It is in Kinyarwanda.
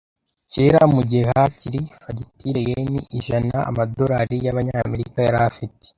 Kera mugihe hakiri fagitire yen ijana, amadolari yabanyamerika yari afite